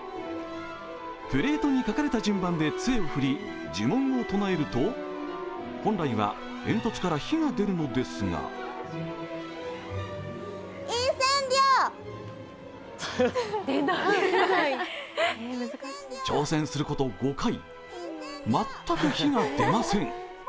プレートに書かれた順番でつえを振り、呪文を唱えると、本来は煙突から火が出るのですが挑戦すること５回、全く火が出ません。